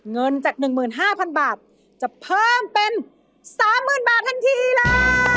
เงินจาก๑๕๐๐๐บาทจะเพิ่มเป็น๓๐๐๐บาททันทีเลย